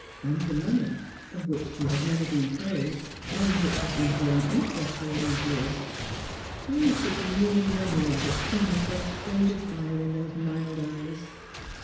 And the money — of which she had never been told, and which had been drawing in terest all these years. — Wliy should the mere memory of it kindle so strange a fire in those mild eyes?